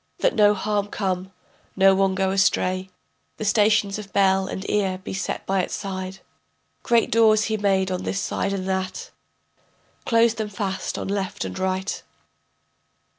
That no harm come, no one go astray, The stations of Bel and Ea be set by its side. Great doors he made on this side and that, Closed them fast on left and right.